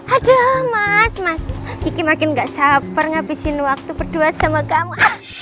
ada mas mas kiki makin gak saper ngabisin waktu berdua sama kamu